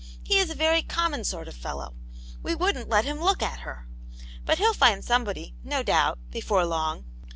He is a very common sort of fellow. We wouldn't let him look at her. But he'll find somebody, no doubt, before long.